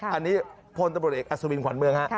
อันนี้โพลตัวบริเวณอสวินขวัญเมือง